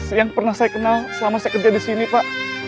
yang pernah saya kenal selama saya kerja disini pak